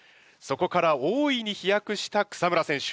そこから大いに飛躍した草村選手。